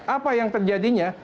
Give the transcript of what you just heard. apa yang terjadinya